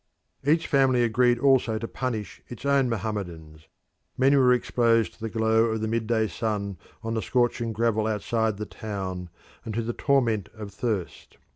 Each family agreed also to punish its own Mohammedans. Many were exposed to the glow of the midday sun on the scorching gravel outside the town, and to the torments of thirst.